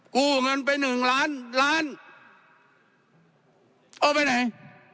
กู้เงินไปหนึ่งล้านล้านเอาไปไหน